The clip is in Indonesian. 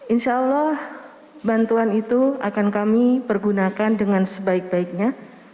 insyaallah bantuan itu akan kami pergunakan dengan sebaik baiknya